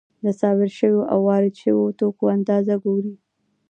د صادر شویو او وارد شویو توکو اندازه ګوري